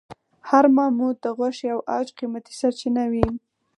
هر ماموت د غوښې او عاج قیمتي سرچینه وه.